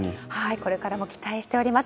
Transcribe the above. これからも期待しております。